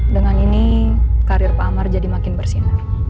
dengan ini karir pak amar jadi makin bersinar